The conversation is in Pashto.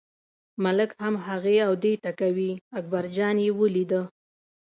ملک هم هغې او دې ته کوي، اکبرجان یې ولیده.